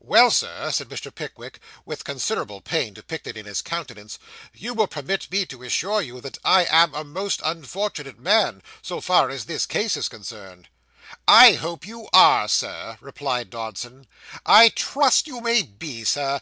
'Well, Sir,' said Mr. Pickwick, with considerable pain depicted in his countenance, 'you will permit me to assure you that I am a most unfortunate man, so far as this case is concerned.' 'I hope you are, Sir,' replied Dodson; 'I trust you may be, Sir.